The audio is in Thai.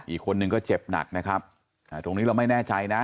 อีกคนนึงก็เจ็บหนักนะครับตรงนี้เราไม่แน่ใจนะ